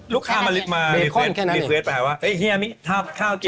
ลูกค้ามารีเฟสไปเหรอว่าเฮียถ้าข้าวกิน